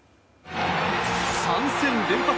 ３戦連発！